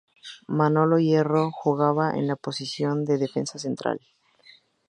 Manolo Hierro jugaba en la posición de defensa central.